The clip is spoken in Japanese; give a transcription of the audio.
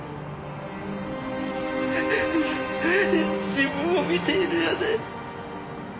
自分を見ているようで。